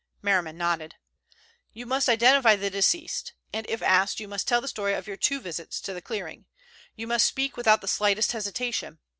Merriman nodded. "You must identify the deceased, and, if asked, you must tell the story of your two visits to the clearing. You must speak without the slightest hesitation.